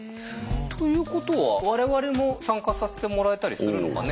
ということは我々も参加させてもらえたりするのかね。